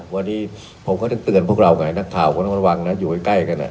วันนี้ผมก็จะเตือนพวกเราไง